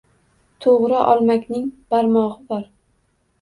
To'g'ri, "Olmakning barmog'i bor"